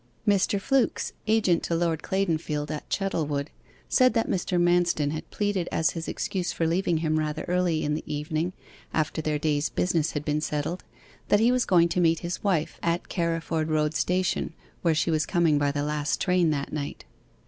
Mr. Flooks, agent to Lord Claydonfield at Chettlewood, said that Mr. Manston had pleaded as his excuse for leaving him rather early in the evening after their day's business had been settled, that he was going to meet his wife at Carriford Road Station, where she was coming by the last train that night.